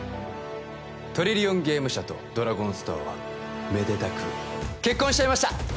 トリリオンゲーム社とドラゴンストアはめでたく結婚しちゃいました！